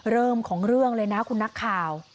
เริ่มของเรื่องเลยนะคุณนักข่าว